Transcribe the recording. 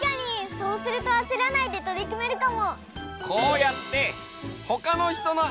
そうするとあせらないでとりくめるかも！